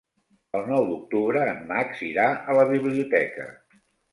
El nou d'octubre en Max irà a la biblioteca.